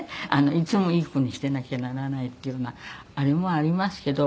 いつもいい子にしてなきゃならないっていうようなあれもありますけど。